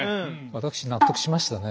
私納得しましたね。